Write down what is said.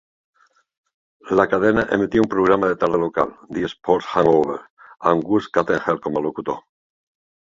La cadena emetia un programa de tarda local, "The Sports Hangover", amb Gus Kattengell com a locutor.